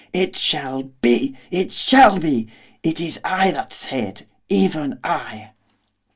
It shall be! it shall be! It is I that say it, even I!